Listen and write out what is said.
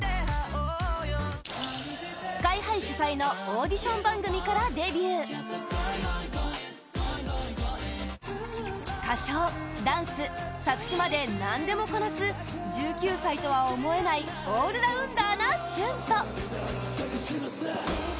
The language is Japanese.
ＳＫＹ‐ＨＩ主催のオーディション番組からデビュー歌唱・ダンス・作詞まで何でもこなす１９歳とは思えないオールラウンダーなＳＨＵＮＴＯ